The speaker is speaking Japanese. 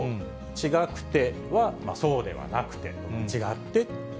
ちがくてはそうではなくて、違って。